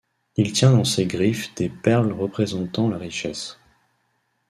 Il tient dans ses griffes des perles représentant la richesse.